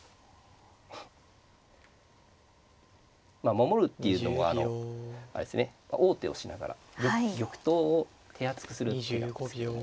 守るっていうのもあのあれですね王手をしながら玉頭を手厚くする一手なんですけども。